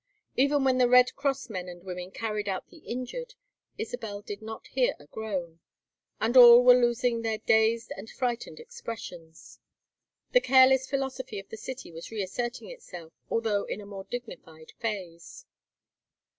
Even when the Red Cross men and women carried out the injured, Isabel did not hear a groan. And all were losing their dazed and frightened expressions. The careless philosophy of the city was reasserting itself, although in a more dignified phase.